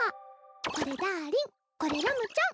これダーリンこれラムちゃん。